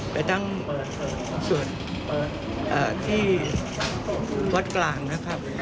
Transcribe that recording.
ไปตั้งส่วนที่วัดกลางนะครับ